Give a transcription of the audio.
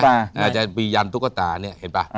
อาจจะมียันตุ๊กตาเนี่ยเห็นป่ะ